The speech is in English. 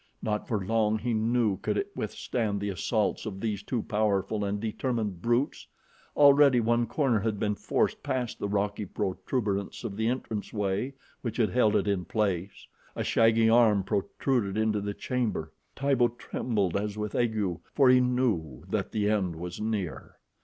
Not for long, he knew, could it withstand the assaults of these two powerful and determined brutes. Already one corner had been forced past the rocky protuberance of the entrance way which had held it in place. A shaggy forearm protruded into the chamber. Tibo trembled as with ague, for he knew that the end was near.